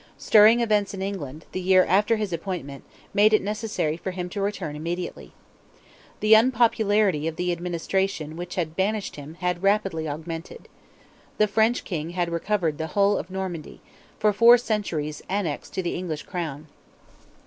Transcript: Stirring events in England, the year after his appointment, made it necessary for him to return immediately. The unpopularity of the administration which had banished him had rapidly augmented. The French King had recovered the whole of Normandy, for four centuries annexed to the English Crown.